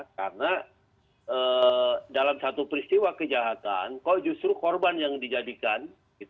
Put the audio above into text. karena dalam satu peristiwa kejahatan kok justru korban yang dijadikan